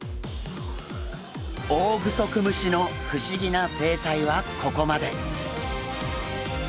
オオグソクムシの不思議な生態はここまで。